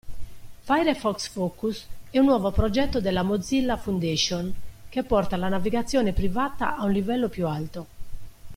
Firefox Focus è un nuovo progetto della Mozilla Foundation che porta la navigazione privata a un livello più alto.